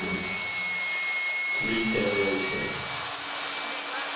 THREE GENERATIONS.